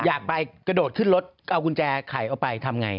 อยากไปกระโดดขึ้นรถเอากุญแจไข่เอาไปทำไง